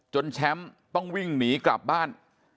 แชมป์ต้องวิ่งหนีกลับบ้าน